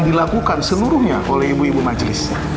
dilakukan seluruhnya oleh ibu ibu majelis